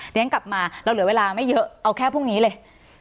เรียนกลับมาเราเหลือเวลาไม่เยอะเอาแค่พรุ่งนี้เลย